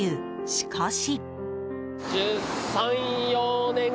しかし。